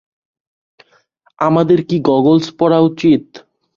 আমাদের কি গগলস পরা উচিত?